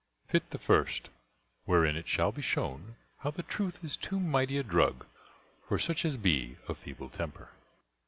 Fytte the First: wherein it shall be shown how the Truth is too mighty a Drug for such as be of feeble temper.